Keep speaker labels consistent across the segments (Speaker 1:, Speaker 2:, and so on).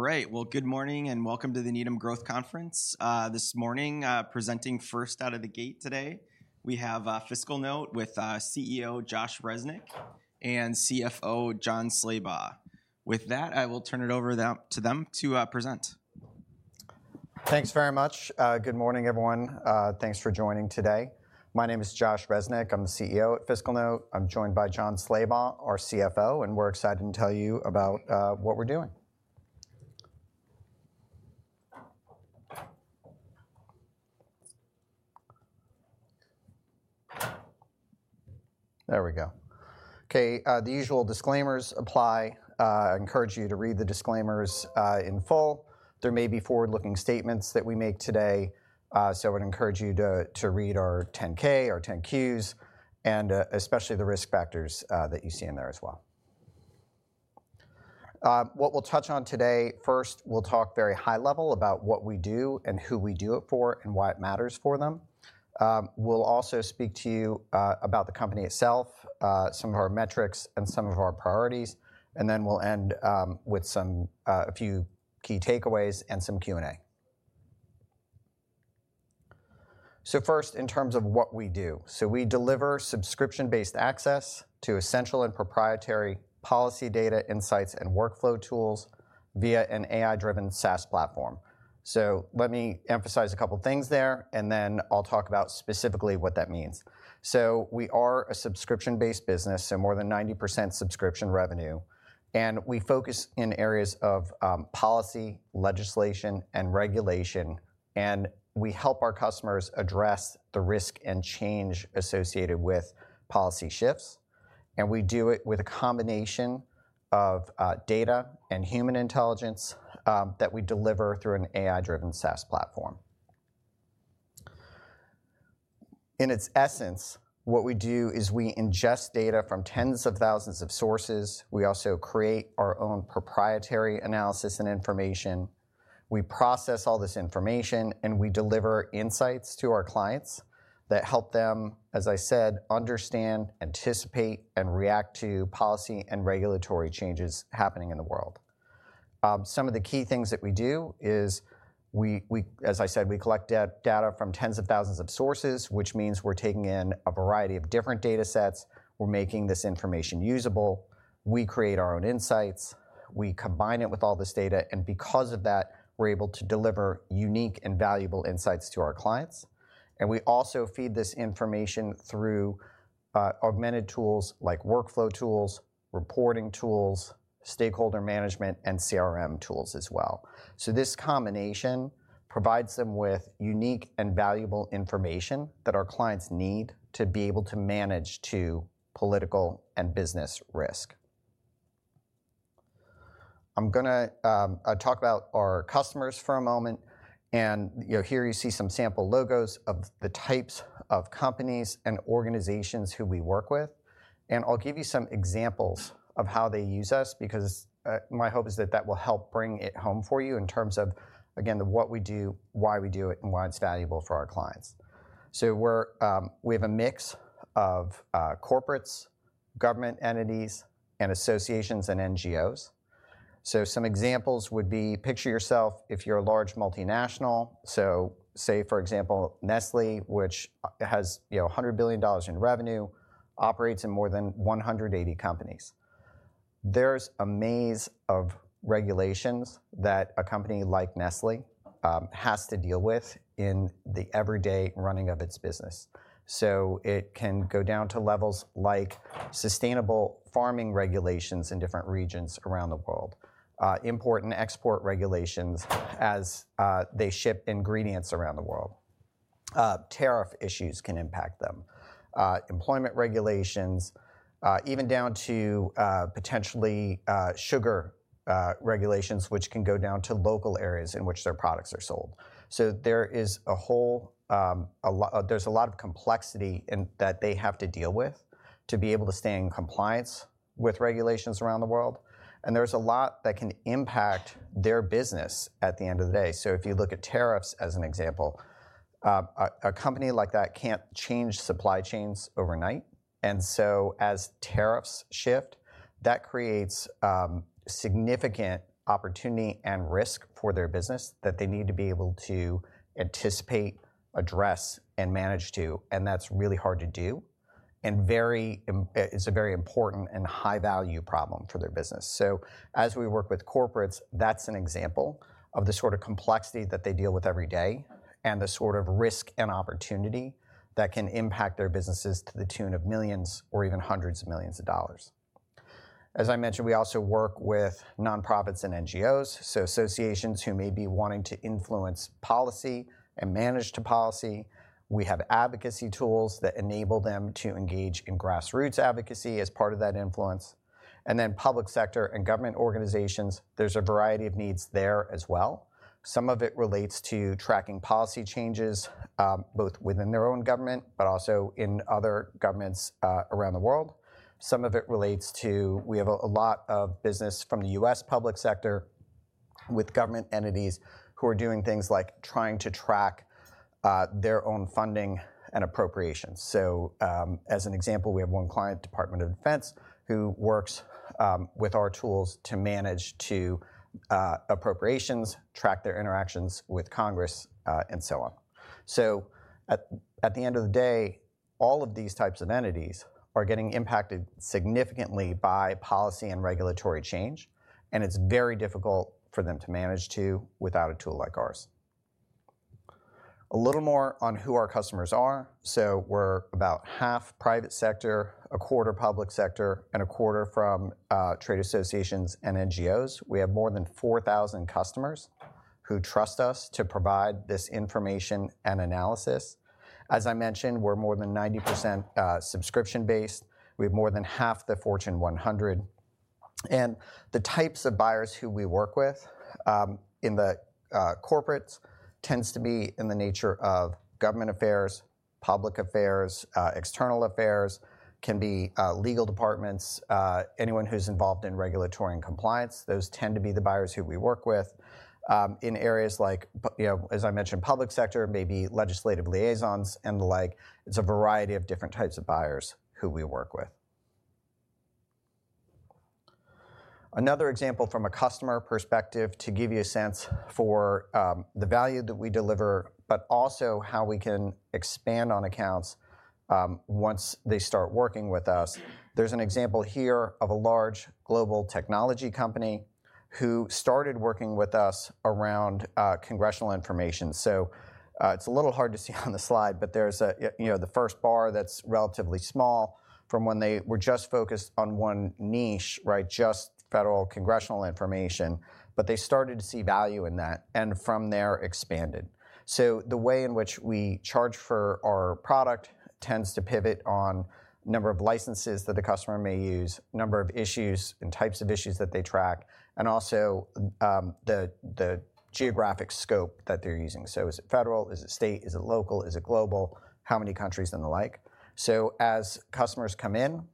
Speaker 1: All right, well, good morning and welcome to the Needham Growth Conference. This morning, presenting first out of the gate today, we have FiscalNote with CEO Josh Resnik and CFO Jon Slabaugh. With that, I will turn it over to them to present.
Speaker 2: Thanks very much. Good morning, everyone. Thanks for joining today. My name is Josh Resnik. I'm the CEO at FiscalNote. I'm joined by Jon Slabaugh, our CFO, and we're excited to tell you about what we're doing. There we go. Okay, the usual disclaimers apply. I encourage you to read the disclaimers in full. There may be forward-looking statements that we make today, so I would encourage you to read our 10-K, our 10-Qs, and especially the risk factors that you see in there as well. What we'll touch on today, first, we'll talk very high level about what we do and who we do it for and why it matters for them. We'll also speak to you about the company itself, some of our metrics, and some of our priorities, and then we'll end with a few key takeaways and some Q&A. So first, in terms of what we do, we deliver subscription-based access to essential and proprietary policy data, insights, and workflow tools via an AI-driven SaaS platform. So let me emphasize a couple of things there, and then I'll talk about specifically what that means. So we are a subscription-based business, so more than 90% subscription revenue, and we focus in areas of policy, legislation, and regulation, and we help our customers address the risk and change associated with policy shifts. And we do it with a combination of data and human intelligence that we deliver through an AI-driven SaaS platform. In its essence, what we do is we ingest data from tens of thousands of sources. We also create our own proprietary analysis and information. We process all this information, and we deliver insights to our clients that help them, as I said, understand, anticipate, and react to policy and regulatory changes happening in the world. Some of the key things that we do is, as I said, we collect data from tens of thousands of sources, which means we're taking in a variety of different data sets. We're making this information usable. We create our own insights. We combine it with all this data, and because of that, we're able to deliver unique and valuable insights to our clients, and we also feed this information through augmented tools like workflow tools, reporting tools, stakeholder management, and CRM tools as well, so this combination provides them with unique and valuable information that our clients need to be able to manage political and business risk. I'm going to talk about our customers for a moment, and here you see some sample logos of the types of companies and organizations who we work with, and I'll give you some examples of how they use us because my hope is that that will help bring it home for you in terms of, again, what we do, why we do it, and why it's valuable for our clients, so we have a mix of corporates, government entities, and associations and NGOs, so some examples would be, picture yourself if you're a large multinational, so say, for example, Nestlé, which has $100 billion in revenue, operates in more than 180 countries. There's a maze of regulations that a company like Nestlé has to deal with in the everyday running of its business. So it can go down to levels like sustainable farming regulations in different regions around the world, import and export regulations as they ship ingredients around the world. Tariff issues can impact them, employment regulations, even down to potentially sugar regulations, which can go down to local areas in which their products are sold. So there is a whole. There's a lot of complexity that they have to deal with to be able to stay in compliance with regulations around the world. And there's a lot that can impact their business at the end of the day. So if you look at tariffs as an example, a company like that can't change supply chains overnight. And so as tariffs shift, that creates significant opportunity and risk for their business that they need to be able to anticipate, address, and manage to. And that's really hard to do. And it's a very important and high-value problem for their business. So as we work with corporates, that's an example of the sort of complexity that they deal with every day and the sort of risk and opportunity that can impact their businesses to the tune of millions or even hundreds of millions of dollars. As I mentioned, we also work with nonprofits and NGOs, so associations who may be wanting to influence policy and manage policy. We have advocacy tools that enable them to engage in grassroots advocacy as part of that influence. And then public sector and government organizations, there's a variety of needs there as well. Some of it relates to tracking policy changes both within their own government, but also in other governments around the world. Some of it relates to. We have a lot of business from the U.S. Public sector with government entities who are doing things like trying to track their own funding and appropriations. So as an example, we have one client, Department of Defense, who works with our tools to manage appropriations, track their interactions with Congress, and so on. So at the end of the day, all of these types of entities are getting impacted significantly by policy and regulatory change, and it's very difficult for them to manage to without a tool like ours. A little more on who our customers are. So we're about half private sector, a quarter public sector, and a quarter from trade associations and NGOs. We have more than 4,000 customers who trust us to provide this information and analysis. As I mentioned, we're more than 90% subscription-based. We have more than half the Fortune 100. And the types of buyers who we work with in the corporates tend to be in the nature of government affairs, public affairs, external affairs, can be legal departments, anyone who's involved in regulatory and compliance. Those tend to be the buyers who we work with. In areas like, as I mentioned, public sector, maybe legislative liaisons and the like, it's a variety of different types of buyers who we work with. Another example from a customer perspective to give you a sense for the value that we deliver, but also how we can expand on accounts once they start working with us. There's an example here of a large global technology company who started working with us around congressional information. So it's a little hard to see on the slide, but there's the first bar that's relatively small from when they were just focused on one niche, just federal congressional information, but they started to see value in that and from there expanded. So the way in which we charge for our product tends to pivot on the number of licenses that the customer may use, the number of issues and types of issues that they track, and also the geographic scope that they're using. So is it federal? Is it state? Is it local? Is it global? How many countries and the like? So as customers come in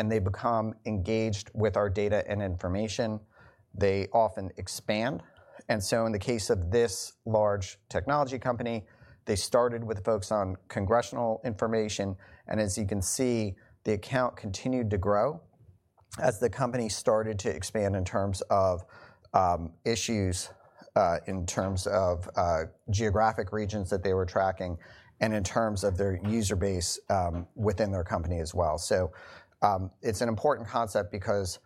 Speaker 2: and they become engaged with our data and information, they often expand. And so in the case of this large technology company, they started with focus on congressional information. And as you can see, the account continued to grow as the company started to expand in terms of issues, in terms of geographic regions that they were tracking, and in terms of their user base within their company as well. So it's an important concept because,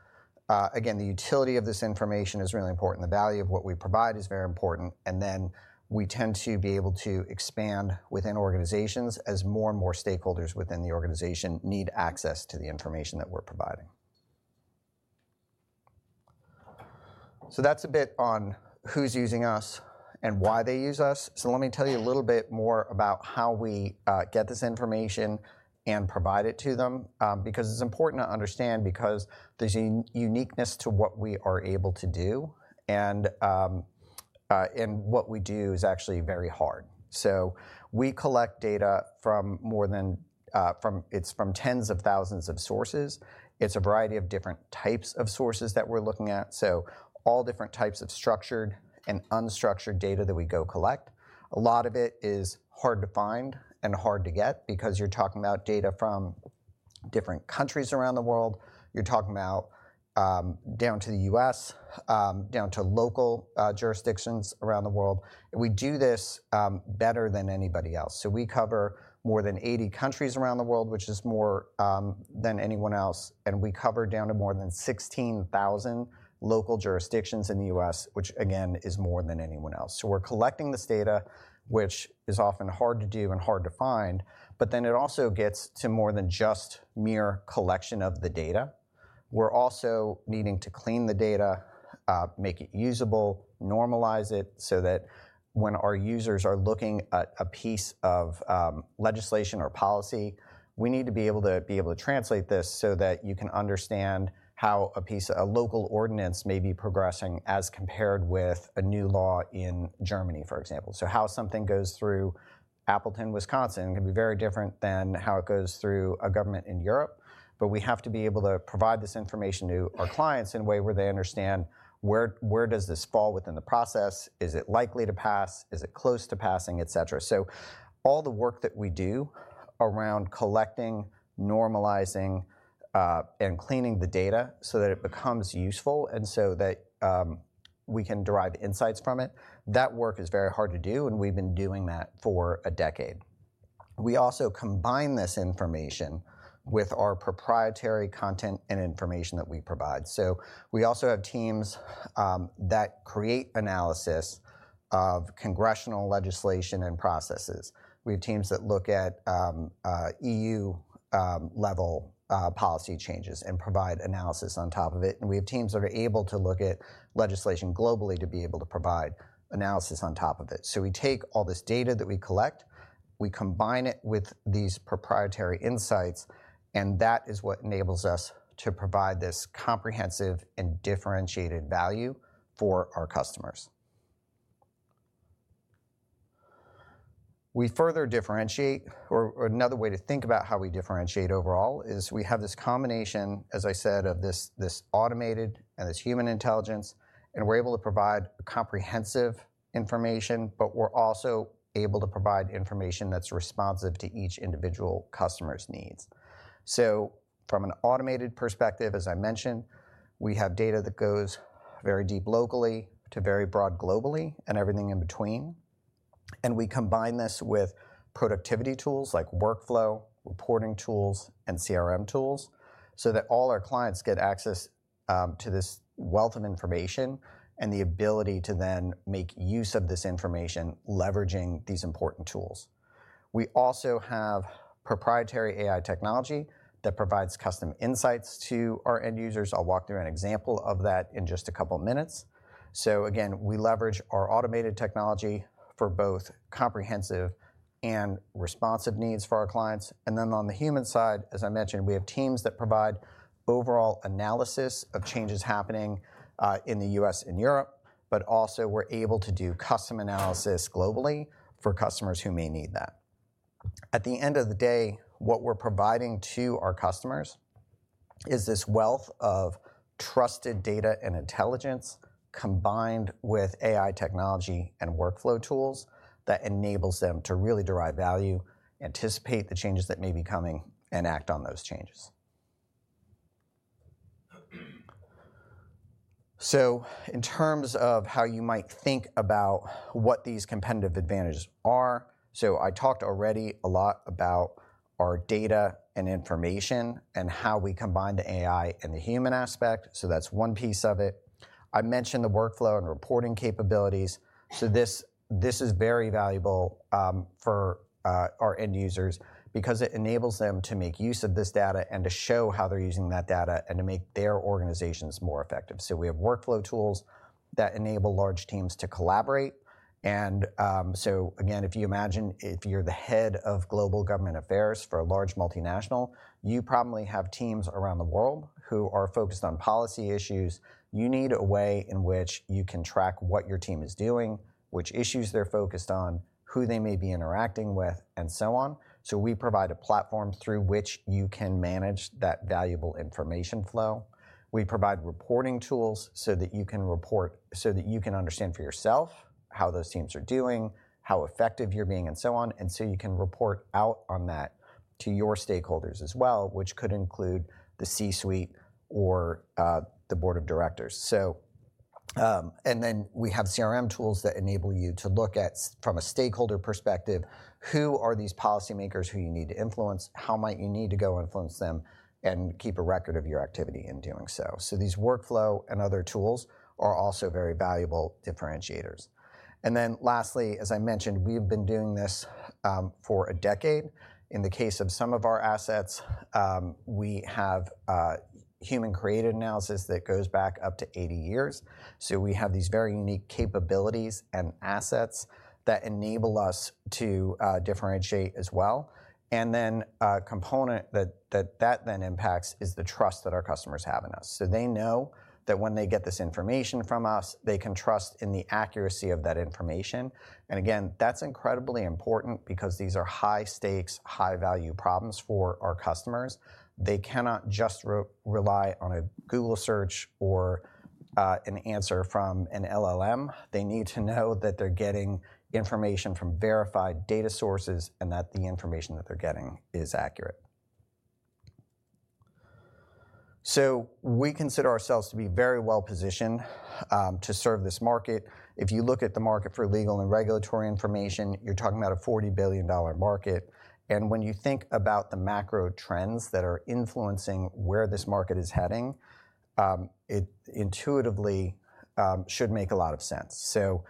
Speaker 2: again, the utility of this information is really important. The value of what we provide is very important. And then we tend to be able to expand within organizations as more and more stakeholders within the organization need access to the information that we're providing. So that's a bit on who's using us and why they use us. So let me tell you a little bit more about how we get this information and provide it to them because it's important to understand because there's a uniqueness to what we are able to do. And what we do is actually very hard. So we collect data from more than, it's from tens of thousands of sources. It's a variety of different types of sources that we're looking at. So all different types of structured and unstructured data that we go collect. A lot of it is hard to find and hard to get because you're talking about data from different countries around the world. You're talking about down to the U.S., down to local jurisdictions around the world. We do this better than anybody else. So we cover more than 80 countries around the world, which is more than anyone else. And we cover down to more than 16,000 local jurisdictions in the U.S., which again is more than anyone else. So we're collecting this data, which is often hard to do and hard to find, but then it also gets to more than just mere collection of the data. We're also needing to clean the data, make it usable, normalize it so that when our users are looking at a piece of legislation or policy, we need to be able to translate this so that you can understand how a local ordinance may be progressing as compared with a new law in Germany, for example. So how something goes through Appleton, Wisconsin can be very different than how it goes through a government in Europe. But we have to be able to provide this information to our clients in a way where they understand where does this fall within the process, is it likely to pass, is it close to passing, et cetera. So all the work that we do around collecting, normalizing, and cleaning the data so that it becomes useful and so that we can derive insights from it, that work is very hard to do, and we've been doing that for a decade. We also combine this information with our proprietary content and information that we provide. So we also have teams that create analysis of congressional legislation and processes. We have teams that look at EU-level policy changes and provide analysis on top of it. And we have teams that are able to look at legislation globally to be able to provide analysis on top of it. So we take all this data that we collect, we combine it with these proprietary insights, and that is what enables us to provide this comprehensive and differentiated value for our customers. We further differentiate, or another way to think about how we differentiate overall is we have this combination, as I said, of this automated and this human intelligence, and we're able to provide comprehensive information, but we're also able to provide information that's responsive to each individual customer's needs, so from an automated perspective, as I mentioned, we have data that goes very deep locally to very broad globally and everything in between, and we combine this with productivity tools like workflow, reporting tools, and CRM tools so that all our clients get access to this wealth of information and the ability to then make use of this information leveraging these important tools. We also have proprietary AI technology that provides custom insights to our end users. I'll walk through an example of that in just a couple of minutes. So again, we leverage our automated technology for both comprehensive and responsive needs for our clients. And then on the human side, as I mentioned, we have teams that provide overall analysis of changes happening in the U.S. and Europe, but also we're able to do custom analysis globally for customers who may need that. At the end of the day, what we're providing to our customers is this wealth of trusted data and intelligence combined with AI technology and workflow tools that enables them to really derive value, anticipate the changes that may be coming, and act on those changes. So in terms of how you might think about what these competitive advantages are, so I talked already a lot about our data and information and how we combine the AI and the human aspect. So that's one piece of it. I mentioned the workflow and reporting capabilities. So this is very valuable for our end users because it enables them to make use of this data and to show how they're using that data and to make their organizations more effective. So we have workflow tools that enable large teams to collaborate. And so again, if you imagine if you're the head of global government affairs for a large multinational, you probably have teams around the world who are focused on policy issues. You need a way in which you can track what your team is doing, which issues they're focused on, who they may be interacting with, and so on. So we provide a platform through which you can manage that valuable information flow. We provide reporting tools so that you can report so that you can understand for yourself how those teams are doing, how effective you're being, and so on. And so you can report out on that to your stakeholders as well, which could include the C-suite or the board of directors. And then we have CRM tools that enable you to look at from a stakeholder perspective, who are these policymakers who you need to influence, how might you need to go influence them and keep a record of your activity in doing so. So these workflow and other tools are also very valuable differentiators. And then lastly, as I mentioned, we've been doing this for a decade. In the case of some of our assets, we have human-created analysis that goes back up to 80 years. So we have these very unique capabilities and assets that enable us to differentiate as well. And then a component that then impacts is the trust that our customers have in us. So they know that when they get this information from us, they can trust in the accuracy of that information. And again, that's incredibly important because these are high-stakes, high-value problems for our customers. They cannot just rely on a Google search or an answer from an LLM. They need to know that they're getting information from verified data sources and that the information that they're getting is accurate. So we consider ourselves to be very well-positioned to serve this market. If you look at the market for legal and regulatory information, you're talking about a $40 billion market. And when you think about the macro trends that are influencing where this market is heading, it intuitively should make a lot of sense. So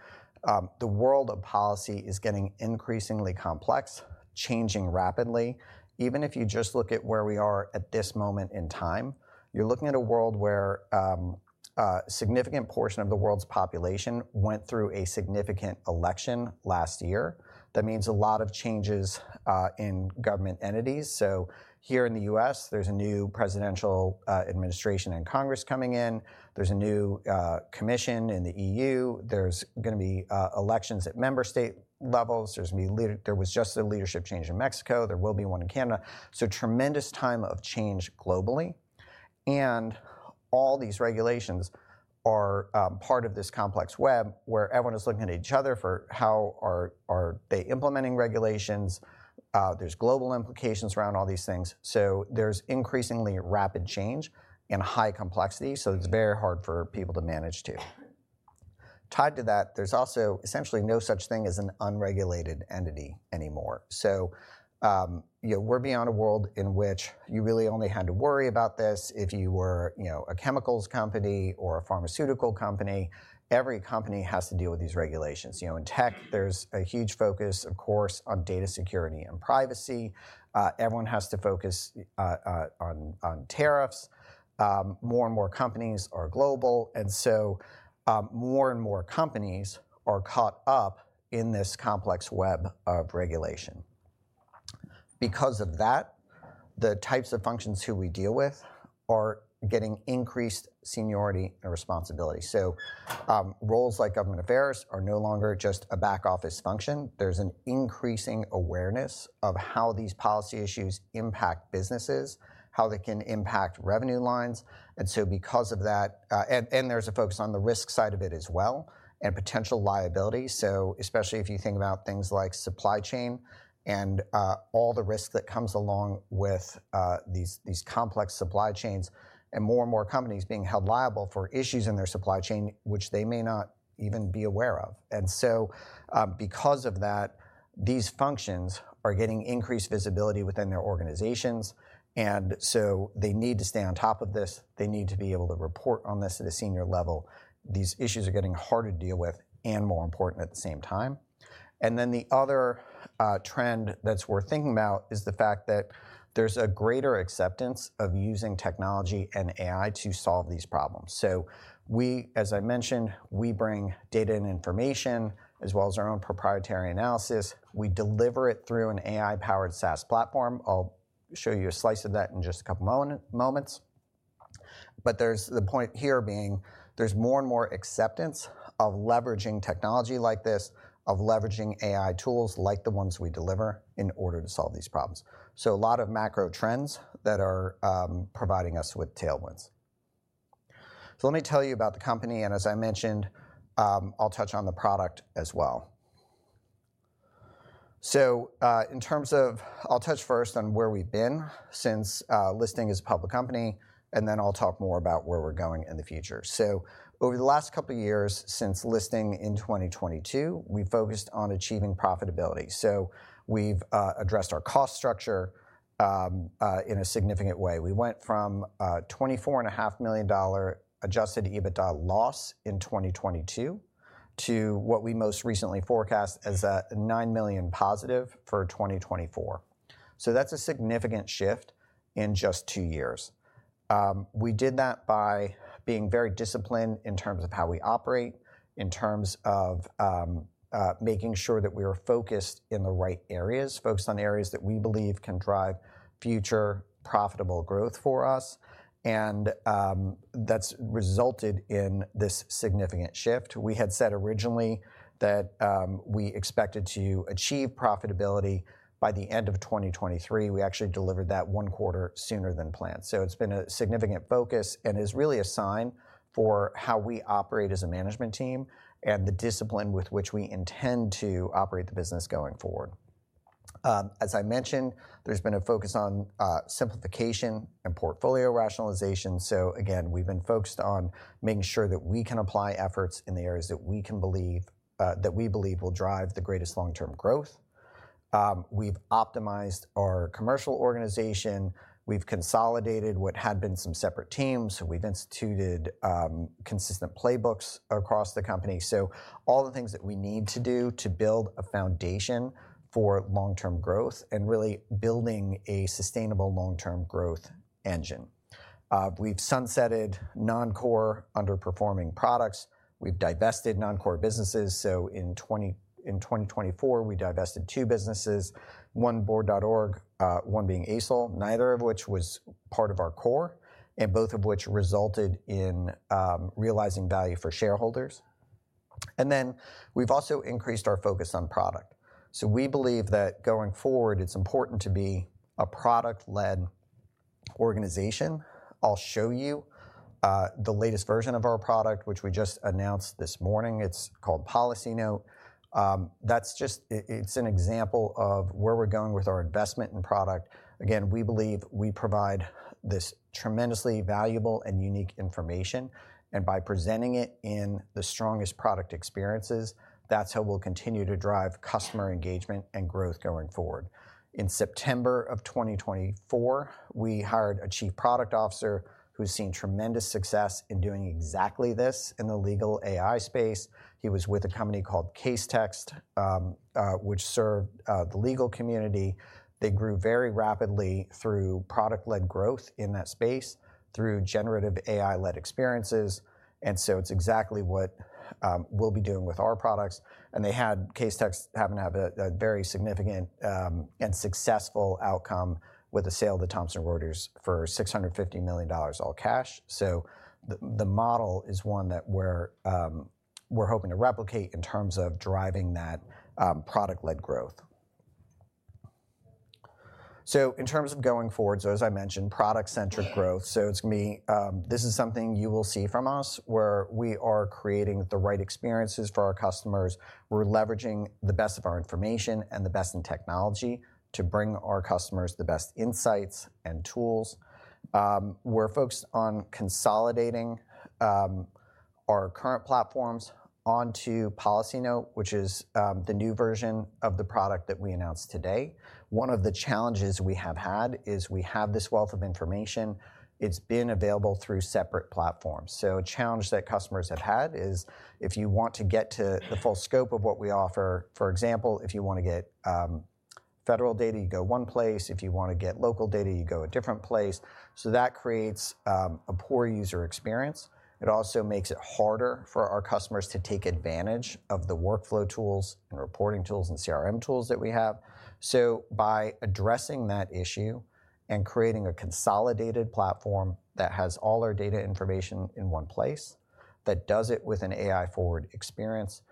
Speaker 2: the world of policy is getting increasingly complex, changing rapidly. Even if you just look at where we are at this moment in time, you're looking at a world where a significant portion of the world's population went through a significant election last year. That means a lot of changes in government entities. So here in the U.S., there's a new presidential administration and Congress coming in. There's a new commission in the E.U. There's going to be elections at member state levels. There was just a leadership change in Mexico. There will be one in Canada. So tremendous time of change globally. And all these regulations are part of this complex web where everyone is looking at each other for how are they implementing regulations. There's global implications around all these things. So there's increasingly rapid change and high complexity. So it's very hard for people to manage too. Tied to that, there's also essentially no such thing as an unregulated entity anymore. So we're beyond a world in which you really only had to worry about this if you were a chemicals company or a pharmaceutical company. Every company has to deal with these regulations. In tech, there's a huge focus, of course, on data security and privacy. Everyone has to focus on tariffs. More and more companies are global. And so more and more companies are caught up in this complex web of regulation. Because of that, the types of functions who we deal with are getting increased seniority and responsibility. So roles like government affairs are no longer just a back office function. There's an increasing awareness of how these policy issues impact businesses, how they can impact revenue lines. And so because of that, and there's a focus on the risk side of it as well and potential liability. So especially if you think about things like supply chain and all the risk that comes along with these complex supply chains and more and more companies being held liable for issues in their supply chain, which they may not even be aware of. And so because of that, these functions are getting increased visibility within their organizations. And so they need to stay on top of this. They need to be able to report on this at a senior level. These issues are getting harder to deal with and more important at the same time. And then the other trend that's worth thinking about is the fact that there's a greater acceptance of using technology and AI to solve these problems. So we, as I mentioned, we bring data and information as well as our own proprietary analysis. We deliver it through an AI-powered SaaS platform. I'll show you a slice of that in just a couple of moments. But the point here being, there's more and more acceptance of leveraging technology like this, of leveraging AI tools like the ones we deliver in order to solve these problems. So a lot of macro trends that are providing us with tailwinds. So let me tell you about the company. And as I mentioned, I'll touch on the product as well. So in terms of, I'll touch first on where we've been since listing as a public company, and then I'll talk more about where we're going in the future. So over the last couple of years since listing in 2022, we focused on achieving profitability. So we've addressed our cost structure in a significant way. We went from a $24.5 million Adjusted EBITDA loss in 2022 to what we most recently forecast as a $9 million positive for 2024. So that's a significant shift in just two years. We did that by being very disciplined in terms of how we operate, in terms of making sure that we were focused in the right areas, focused on areas that we believe can drive future profitable growth for us. And that's resulted in this significant shift. We had said originally that we expected to achieve profitability by the end of 2023. We actually delivered that one quarter sooner than planned. So it's been a significant focus and is really a sign for how we operate as a management team and the discipline with which we intend to operate the business going forward. As I mentioned, there's been a focus on simplification and portfolio rationalization. So again, we've been focused on making sure that we can apply efforts in the areas that we believe will drive the greatest long-term growth. We've optimized our commercial organization. We've consolidated what had been some separate teams. We've instituted consistent playbooks across the company. So all the things that we need to do to build a foundation for long-term growth and really building a sustainable long-term growth engine. We've sunsetted non-core underperforming products. We've divested non-core businesses. So in 2024, we divested two businesses, one Board.org, one being Aicel Technologies, neither of which was part of our core, and both of which resulted in realizing value for shareholders. And then we've also increased our focus on product. So we believe that going forward, it's important to be a product-led organization. I'll show you the latest version of our product, which we just announced this morning. It's called Policy Note. That's just, it's an example of where we're going with our investment in product. Again, we believe we provide this tremendously valuable and unique information. And by presenting it in the strongest product experiences, that's how we'll continue to drive customer engagement and growth going forward. In September of 2024, we hired a chief product officer who's seen tremendous success in doing exactly this in the legal AI space. He was with a company called Casetext, which served the legal community. They grew very rapidly through product-led growth in that space through generative AI-led experiences. And so it's exactly what we'll be doing with our products. And they had CaseText happen to have a very significant and successful outcome with a sale to Thomson Reuters for $650 million all cash. The model is one that we're hoping to replicate in terms of driving that product-led growth. In terms of going forward, as I mentioned, product-led growth. It's going to be this: something you will see from us where we are creating the right experiences for our customers. We're leveraging the best of our information and the best in technology to bring our customers the best insights and tools. We're focused on consolidating our current platforms onto Policy Note, which is the new version of the product that we announced today. One of the challenges we have had is we have this wealth of information. It's been available through separate platforms. A challenge that customers have had is if you want to get to the full scope of what we offer, for example, if you want to get federal data, you go one place. If you want to get local data, you go a different place. So that creates a poor user experience. It also makes it harder for our customers to take advantage of the workflow tools and reporting tools and CRM tools that we have. So by addressing that issue and creating a consolidated platform that has all our data information in one place that does it with an AI-forward experience,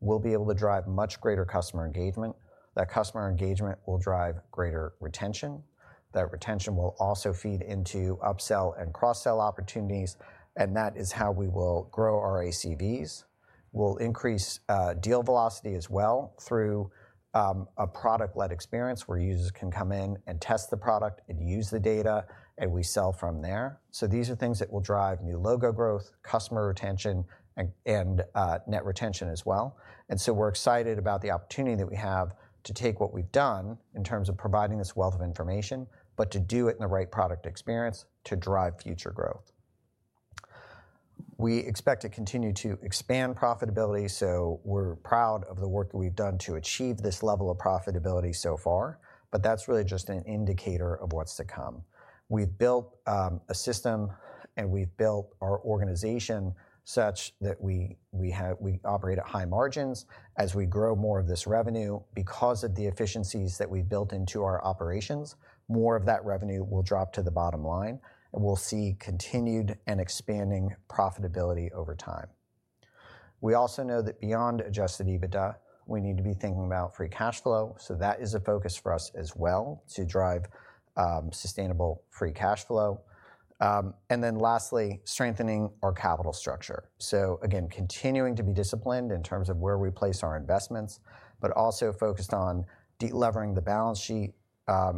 Speaker 2: we'll be able to drive much greater customer engagement. That customer engagement will drive greater retention. That retention will also feed into upsell and cross-sell opportunities. And that is how we will grow our ACVs. We'll increase deal velocity as well through a product-led experience where users can come in and test the product and use the data, and we sell from there. So these are things that will drive new logo growth, customer retention, and net retention as well. And so we're excited about the opportunity that we have to take what we've done in terms of providing this wealth of information, but to do it in the right product experience to drive future growth. We expect to continue to expand profitability. So we're proud of the work that we've done to achieve this level of profitability so far, but that's really just an indicator of what's to come. We've built a system and we've built our organization such that we operate at high margins. As we grow more of this revenue, because of the efficiencies that we've built into our operations, more of that revenue will drop to the bottom line. And we'll see continued and expanding profitability over time. We also know that beyond Adjusted EBITDA, we need to be thinking about free cash flow. That is a focus for us as well to drive sustainable free cash flow. Then lastly, strengthening our capital structure. Again, continuing to be disciplined in terms of where we place our investments, but also focused on levering the balance sheet,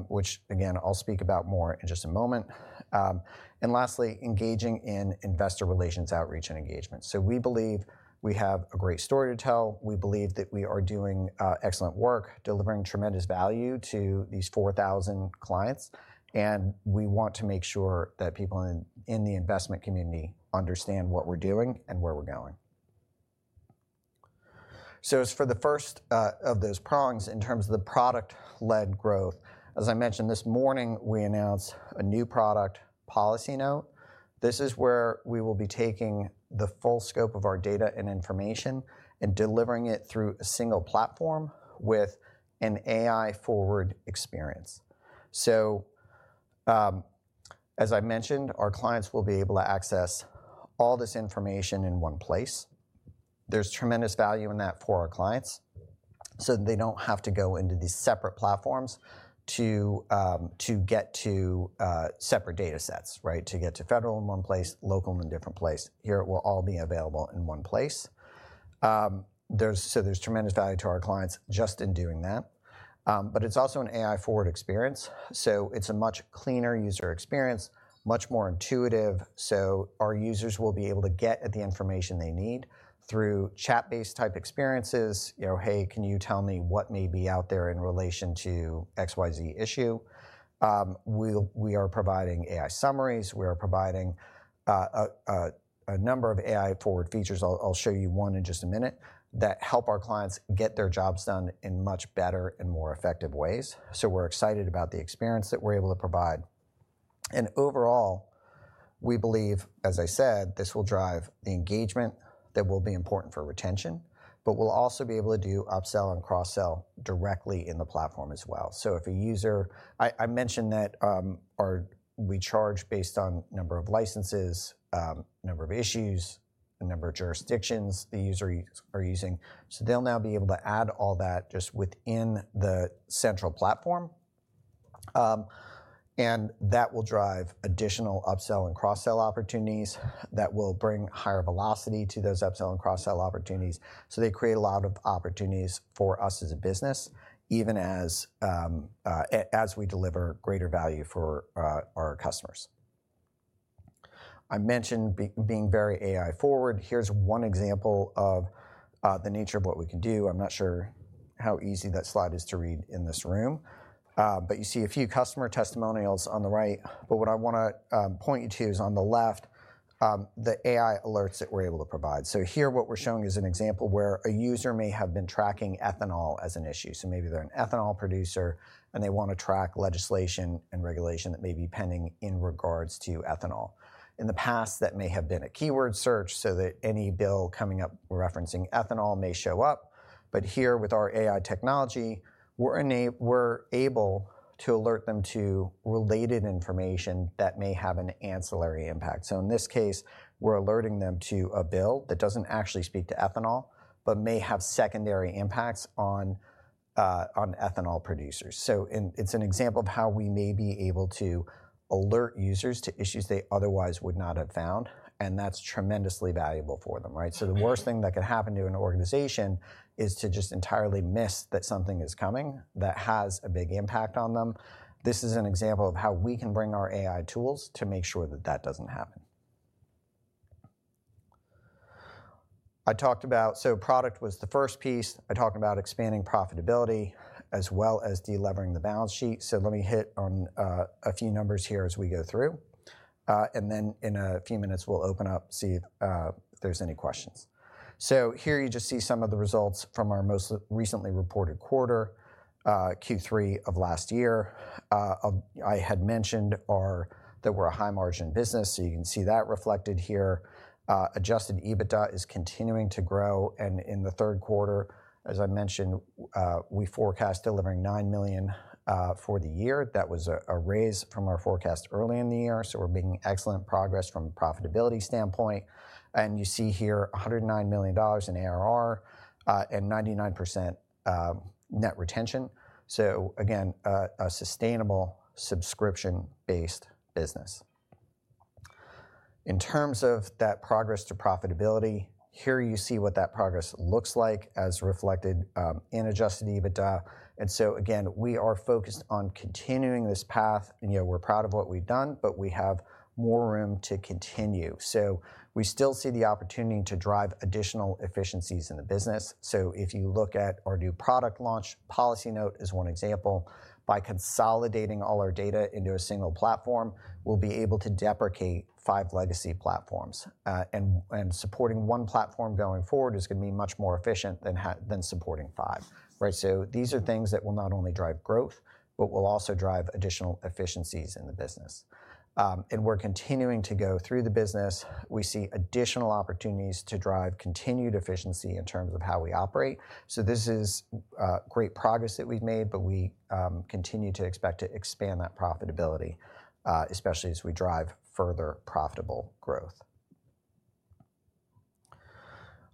Speaker 2: which again, I'll speak about more in just a moment. Lastly, engaging in investor relations, outreach, and engagement. We believe we have a great story to tell. We believe that we are doing excellent work, delivering tremendous value to these 4,000 clients. And we want to make sure that people in the investment community understand what we're doing and where we're going. As for the first of those prongs in terms of the product-led growth, as I mentioned this morning, we announced a new product, Policy Note. This is where we will be taking the full scope of our data and information and delivering it through a single platform with an AI-forward experience. So as I mentioned, our clients will be able to access all this information in one place. There's tremendous value in that for our clients so that they don't have to go into these separate platforms to get to separate data sets, right? To get to federal in one place, local in a different place. Here it will all be available in one place. So there's tremendous value to our clients just in doing that. But it's also an AI-forward experience. So it's a much cleaner user experience, much more intuitive. So our users will be able to get at the information they need through chat-based type experiences. Hey, can you tell me what may be out there in relation to XYZ issue? We are providing AI summaries. We are providing a number of AI-forward features. I'll show you one in just a minute that help our clients get their jobs done in much better and more effective ways, so we're excited about the experience that we're able to provide, and overall, we believe, as I said, this will drive the engagement that will be important for retention, but we'll also be able to do upsell and cross-sell directly in the platform as well, so if a user, I mentioned that we charge based on number of licenses, number of issues, the number of jurisdictions the users are using, so they'll now be able to add all that just within the central platform, and that will drive additional upsell and cross-sell opportunities that will bring higher velocity to those upsell and cross-sell opportunities. So they create a lot of opportunities for us as a business, even as we deliver greater value for our customers. I mentioned being very AI-forward. Here's one example of the nature of what we can do. I'm not sure how easy that slide is to read in this room, but you see a few customer testimonials on the right. But what I want to point you to is on the left, the AI alerts that we're able to provide. So here what we're showing is an example where a user may have been tracking ethanol as an issue. So maybe they're an ethanol producer and they want to track legislation and regulation that may be pending in regards to ethanol. In the past, that may have been a keyword search so that any bill coming up referencing ethanol may show up. But here with our AI technology, we're able to alert them to related information that may have an ancillary impact. So in this case, we're alerting them to a bill that doesn't actually speak to ethanol, but may have secondary impacts on ethanol producers. So it's an example of how we may be able to alert users to issues they otherwise would not have found. And that's tremendously valuable for them, right? So the worst thing that can happen to an organization is to just entirely miss that something is coming that has a big impact on them. This is an example of how we can bring our AI tools to make sure that that doesn't happen. I talked about, so product was the first piece. I talked about expanding profitability as well as delivering the balance sheet. Let me hit on a few numbers here as we go through. Then in a few minutes, we'll open up, see if there's any questions. Here you just see some of the results from our most recently reported quarter, Q3 of last year. I had mentioned that we're a high-margin business. You can see that reflected here. Adjusted EBITDA is continuing to grow. In the Q3, as I mentioned, we forecast delivering $9 million for the year. That was a raise from our forecast early in the year. We're making excellent progress from a profitability standpoint. You see here $109 million in ARR and 99% net retention. Again, a sustainable subscription-based business. In terms of that progress to profitability, here you see what that progress looks like as reflected in adjusted EBITDA. And so again, we are focused on continuing this path. We're proud of what we've done, but we have more room to continue. So we still see the opportunity to drive additional efficiencies in the business. So if you look at our new product launch, Policy Note is one example. By consolidating all our data into a single platform, we'll be able to deprecate five legacy platforms. And supporting one platform going forward is going to be much more efficient than supporting five, right? So these are things that will not only drive growth, but will also drive additional efficiencies in the business. And we're continuing to go through the business. We see additional opportunities to drive continued efficiency in terms of how we operate. So this is great progress that we've made, but we continue to expect to expand that profitability, especially as we drive further profitable growth.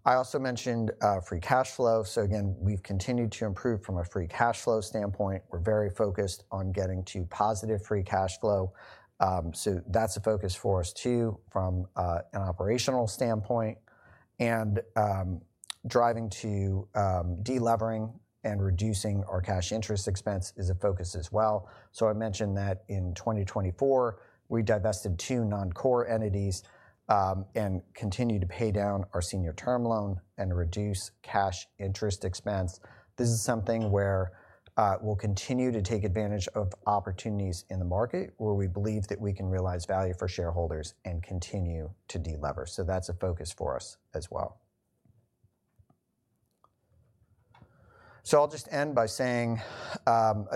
Speaker 2: I also mentioned free cash flow. So again, we've continued to improve from a free cash flow standpoint. We're very focused on getting to positive free cash flow. So that's a focus for us too from an operational standpoint. And driving to delivering and reducing our cash interest expense is a focus as well. So I mentioned that in 2024, we divested two non-core entities and continue to pay down our senior term loan and reduce cash interest expense. This is something where we'll continue to take advantage of opportunities in the market where we believe that we can realize value for shareholders and continue to deliver. So that's a focus for us as well. So I'll just end by saying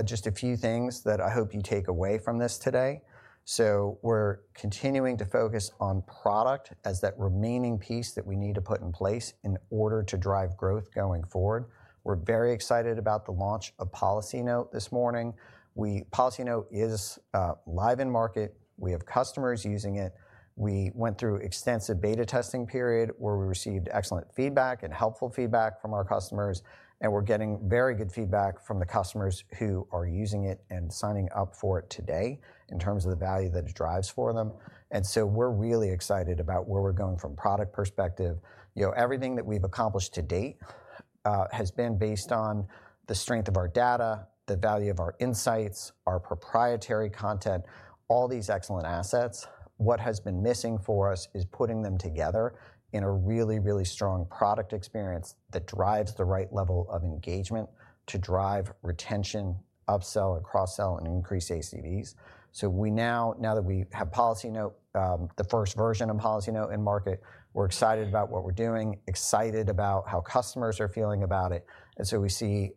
Speaker 2: just a few things that I hope you take away from this today. So we're continuing to focus on product as that remaining piece that we need to put in place in order to drive growth going forward. We're very excited about the launch of Policy Note this morning. Policy Note is live in market. We have customers using it. We went through an extensive beta testing period where we received excellent feedback and helpful feedback from our customers. And we're getting very good feedback from the customers who are using it and signing up for it today in terms of the value that it drives for them. And so we're really excited about where we're going from a product perspective. Everything that we've accomplished to date has been based on the strength of our data, the value of our insights, our proprietary content, all these excellent assets. What has been missing for us is putting them together in a really, really strong product experience that drives the right level of engagement to drive retention, upsell, and cross-sell, and increase ACVs. So now that we have Policy Note, the first version of Policy Note in market, we're excited about what we're doing, excited about how customers are feeling about it, and so we see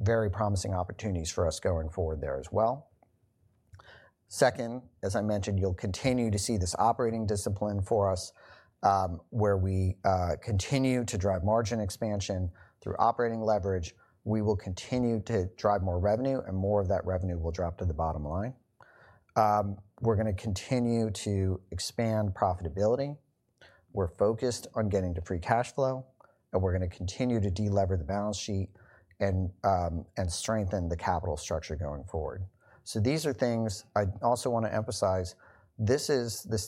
Speaker 2: very promising opportunities for us going forward there as well. Second, as I mentioned, you'll continue to see this operating discipline for us where we continue to drive margin expansion through operating leverage. We will continue to drive more revenue, and more of that revenue will drop to the bottom line. We're going to continue to expand profitability. We're focused on getting to free cash flow, and we're going to continue to deliver the balance sheet and strengthen the capital structure going forward. So these are things I also want to emphasize. This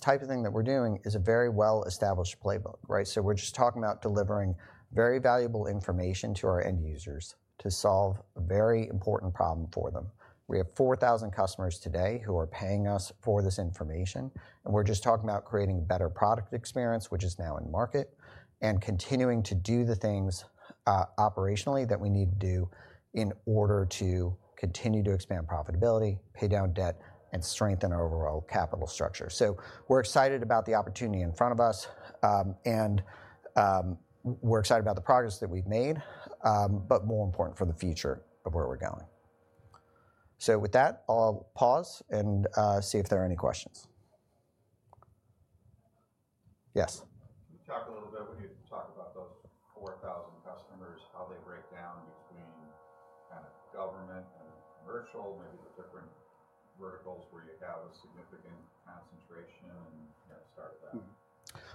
Speaker 2: type of thing that we're doing is a very well-established playbook, right? So we're just talking about delivering very valuable information to our end users to solve a very important problem for them. We have 4,000 customers today who are paying us for this information. And we're just talking about creating a better product experience, which is now in market, and continuing to do the things operationally that we need to do in order to continue to expand profitability, pay down debt, and strengthen our overall capital structure. So we're excited about the opportunity in front of us, and we're excited about the progress that we've made, but more important for the future of where we're going. So with that, I'll pause and see if there are any questions. Yes.
Speaker 3: Can you talk a little bit when you talk about those 4,000 customers, how they break down between kind of government and commercial, maybe the different verticals where you have a significant concentration and started that?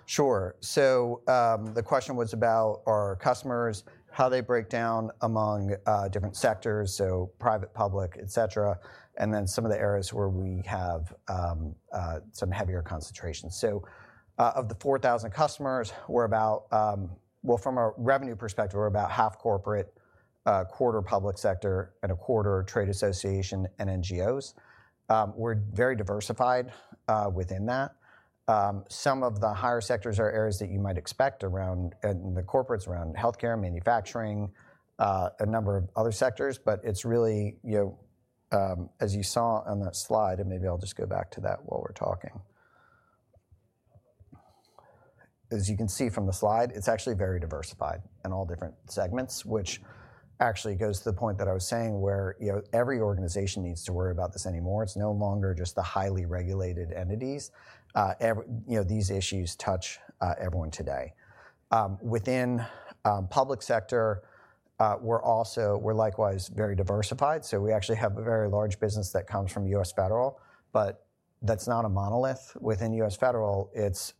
Speaker 2: Sure. The question was about our customers, how they break down among different sectors, so private, public, et cetera, and then some of the areas where we have some heavier concentration. Of the 4,000 customers, we're about, well, from a revenue perspective, we're about 50% corporate, 25% public sector, and 25% trade association and NGOs. We're very diversified within that. Some of the higher sectors are areas that you might expect around the corporates, around healthcare, manufacturing, a number of other sectors, but it's really, as you saw on that slide, and maybe I'll just go back to that while we're talking. As you can see from the slide, it's actually very diversified in all different segments, which actually goes to the point that I was saying where every organization needs to worry about this anymore. It's no longer just the highly regulated entities. These issues touch everyone today. Within public sector, we're likewise very diversified. So we actually have a very large business that comes from U.S. Federal, but that's not a monolith. Within U.S. Federal, it's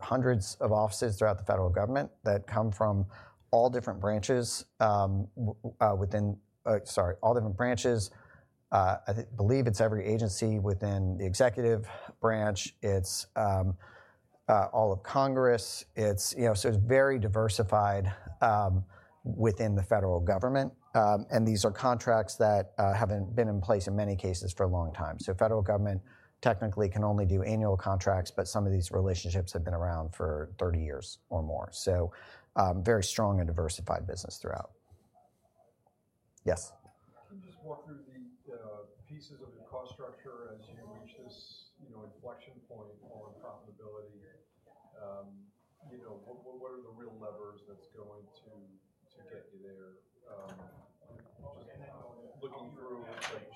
Speaker 2: hundreds of offices throughout the federal government that come from all different branches within, sorry, all different branches. I believe it's every agency within the executive branch. It's all of Congress. So it's very diversified within the federal government, and these are contracts that haven't been in place in many cases for a long time. So federal government technically can only do annual contracts, but some of these relationships have been around for 30 years or more. So very strong and diversified business throughout. Yes. Can you just walk through the pieces of your cost structure as you reach this inflection point on profitability? What are the real levers that's going to get you there? Just looking through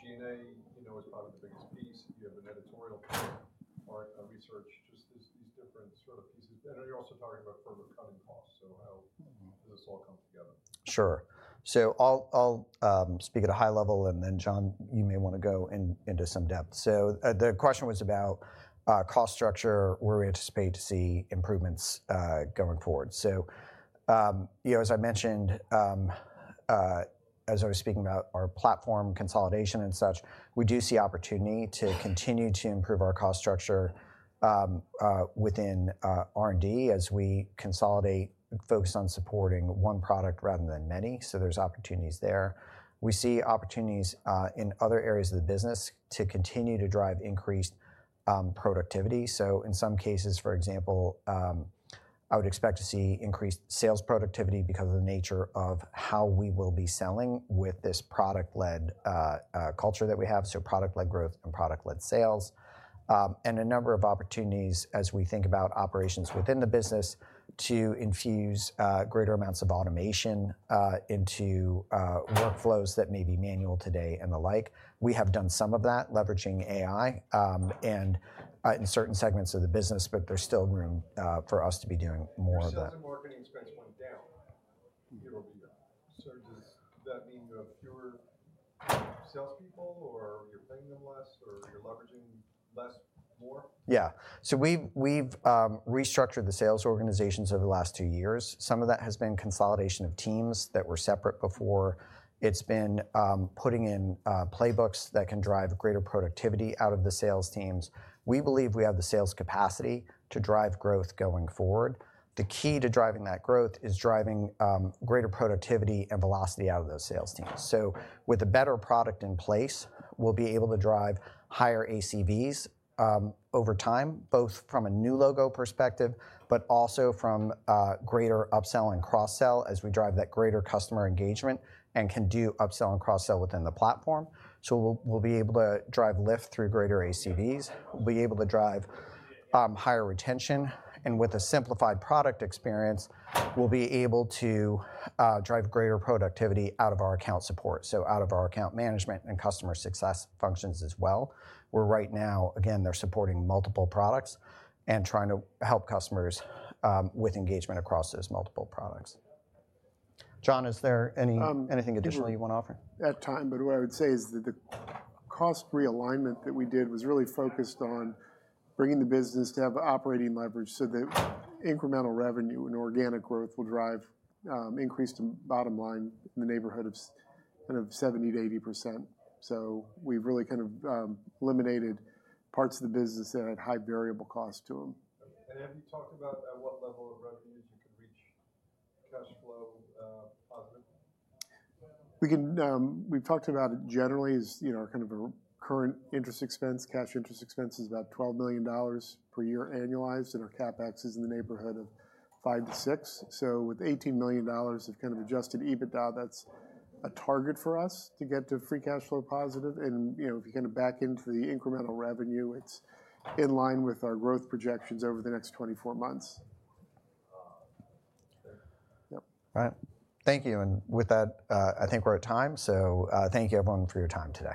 Speaker 2: G&A is probably the biggest piece. You have an editorial part, research, just these different sort of pieces. And then you're also talking about further cutting costs. So how does this all come together? Sure. So I'll speak at a high level, and then Jon, you may want to go into some depth. So the question was about cost structure, where we anticipate to see improvements going forward. So as I mentioned, as I was speaking about our platform consolidation and such, we do see opportunity to continue to improve our cost structure within R&D as we consolidate, focus on supporting one product rather than many. So there's opportunities there. We see opportunities in other areas of the business to continue to drive increased productivity. So in some cases, for example, I would expect to see increased sales productivity because of the nature of how we will be selling with this product-led culture that we have. So product-led growth and product-led sales. And a number of opportunities as we think about operations within the business to infuse greater amounts of automation into workflows that may be manual today and the like. We have done some of that leveraging AI and in certain segments of the business, but there's still room for us to be doing more of that.
Speaker 3: So as the marketing expense went down year-over-year, so does that mean you have fewer salespeople or you're paying them less or you're leveraging less more?
Speaker 2: Yeah. So we've restructured the sales organizations over the last two years. Some of that has been consolidation of teams that were separate before. It's been putting in playbooks that can drive greater productivity out of the sales teams. We believe we have the sales capacity to drive growth going forward. The key to driving that growth is driving greater productivity and velocity out of those sales teams. So with a better product in place, we'll be able to drive higher ACVs over time, both from a new logo perspective, but also from greater upsell and cross-sell as we drive that greater customer engagement and can do upsell and cross-sell within the platform. We'll be able to drive lift through greater ACVs. We'll be able to drive higher retention. And with a simplified product experience, we'll be able to drive greater productivity out of our account support, so out of our account management and customer success functions as well. Where right now, again, they're supporting multiple products and trying to help customers with engagement across those multiple products. Jon, is there anything additional you want to offer?
Speaker 4: At this time, but what I would say is that the cost realignment that we did was really focused on bringing the business to have operating leverage so that incremental revenue and organic growth will drive increased bottom line in the neighborhood of kind of 70%-80%. So we've really kind of eliminated parts of the business that had high variable costs to them.
Speaker 3: And have you talked about at what level of revenues you could reach cash flow positive?
Speaker 4: We've talked about it generally as kind of our current interest expense. Cash interest expense is about $12 million per year annualized, and our CapEx is in the neighborhood of five to six. So with $18 million of kind of Adjusted EBITDA, that's a target for us to get to free cash flow positive. And if you kind of back into the incremental revenue, it's in line with our growth projections over the next 24 months.
Speaker 3: Great. Yep. All right.
Speaker 2: Thank you. And with that, I think we're at time. So thank you, everyone, for your time today.